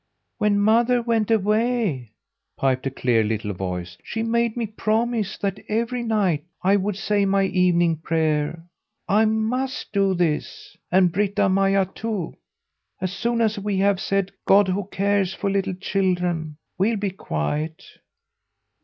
"When mother went away," piped a clear little voice, "she made me promise that every night I would say my evening prayer. I must do this, and Britta Maja too. As soon as we have said 'God who cares for little children ' we'll be quiet."